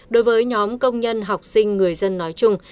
đối với nhóm công nhân học sinh người dân nói chung